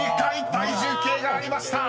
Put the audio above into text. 「体重計」がありました］